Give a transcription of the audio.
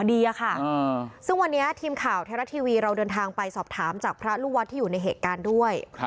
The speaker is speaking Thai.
ซึ่งวันนี้ทีมข่าวไทยรัฐทีวีเราเดินทางไปสอบถามจากพระลูกวัดที่อยู่ในเหตุการณ์ด้วย